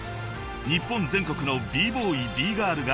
［日本全国のＢ−ＢＯＹＢ−ＧＩＲＬが国を代表］